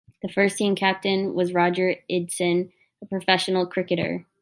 The first team captain was Roger Iddison, a professional cricketer.